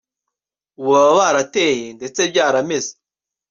ubu baba barateye ndetse byarameze